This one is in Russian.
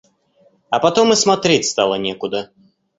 А потом и смотреть стало некуда.